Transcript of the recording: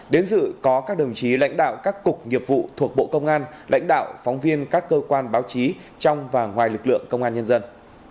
đến dự có các đồng chí lãnh đạo các cục nghiệp vụ thuộc bộ công an lãnh đạo phóng viên các cơ quan báo chí trong và ngoài lực lượng công an nhân dân